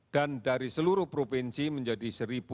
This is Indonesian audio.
dan dari seluruh provinsi menjadi satu satu ratus lima puluh satu